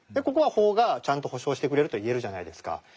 ここは法がちゃんと保証してくれると言えるじゃないですか。